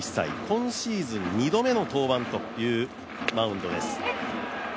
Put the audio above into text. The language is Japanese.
今シーズン、２度目の登板というマウンドです。